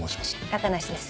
高梨です